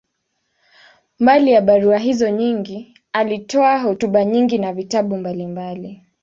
Mbali ya barua hizo nyingi, alitoa hotuba nyingi na vitabu mbalimbali.